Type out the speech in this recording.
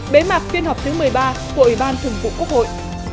bế mạc phiên họp thứ một mươi ba của ủy ban thường vụ quốc hội